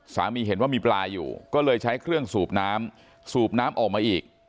เห็นว่ามีปลาอยู่ก็เลยใช้เครื่องสูบน้ำสูบน้ำออกมาอีก